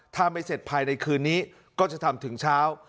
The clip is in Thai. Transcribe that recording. ถ้าไม่เสร็จภายในคืนนี้ก็จะทำถึงเช้า